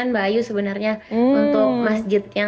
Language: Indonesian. mbak erin pernah nggak datang ke acara tersebut